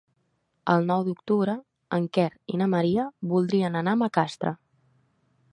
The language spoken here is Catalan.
El nou d'octubre en Quer i na Maria voldrien anar a Macastre.